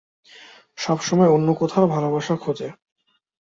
সবসময় অন্য কোথাও ভালোবাসা খোঁজে।